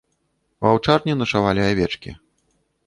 У аўчарні начавалі авечкі.